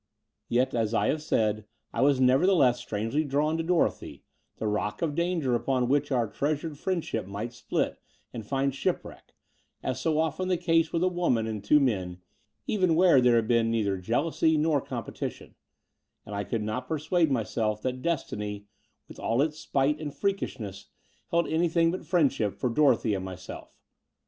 Yet, 142 The Door of the Unreal as I have eaid, I was nevertheless strangely drawn to Dorothy, the rock of danger upon which our treastired friendship might split and find ship wreck, as so often the case with a woman and two men, even where there has been neither jealousy nor competition : and I could not persuade myself that destiny, with all its spite and freakishness, hdd anything but friendship for Dorothy and my self.